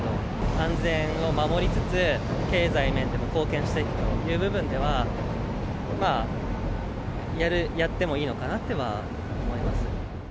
安全を守りつつ、経済面でも貢献していくという部分では、まあ、やってもいいのかなとは思います。